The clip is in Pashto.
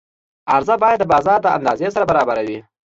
عرضه باید د بازار د اندازې سره برابره وي.